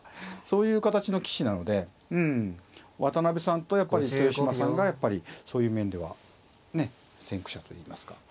そういう形の棋士なのでうん渡辺さんと豊島さんがやっぱりそういう面では先駆者といいますか。